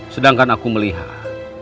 sedangkan aku melihat